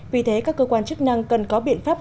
vì thế các cơ quan chức năng cần có biện pháp